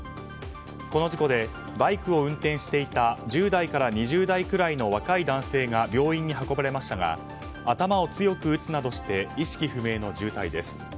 この事故でバイクを運転していた１０代から２０代くらいの若い男性が病院に運ばれましたが頭を強く打つなどして意識不明の重体です。